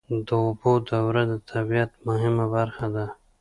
د اوبو دوره د طبیعت مهمه برخه ده.